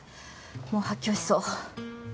もう発狂しそう。